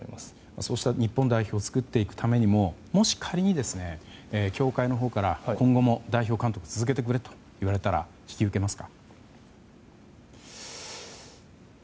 そうした日本代表を作っていくためにも、もし仮に協会から代表監督を続けてくれと言われたら引き受けますか？